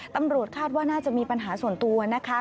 ตำรวจคาดว่าน่าจะมีปัญหาส่วนตัวนะคะ